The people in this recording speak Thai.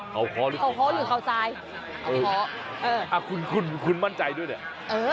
เขาคอหรือเขาซายเออเออคุณคุณคุณมั่นใจด้วยเนี่ยเออ